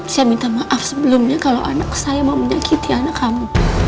saya minta maaf sebelumnya kalau anak saya mau menyakiti anak kamu